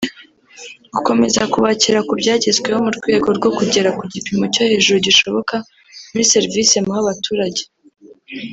gukomeza kubakira ku byagezweho mu rwego rwo kugera ku gipimo cyo hejuru gishoboka muri serivisi muha abaturage